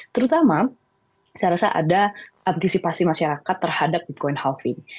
terutama saya rasa ada antisipasi masyarakat terhadap bitcoin halving